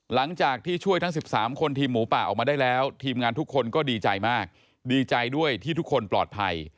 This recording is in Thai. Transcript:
หลังจากที่ช่วยทั้ง๑๓คนทีมหมูป่าออกมาได้แล้วทีมงานทุกคนก็ดีใจมากดีใจด้วยที่ทุกคนปลอดภัย